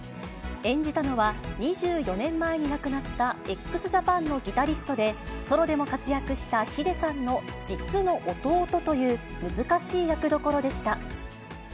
演じたのは、２４年前に亡くなったＸＪＡＰＡＮのギタリストで、ソロでも活躍したｈｉｄｅさんの実の弟という難しい役どころでした。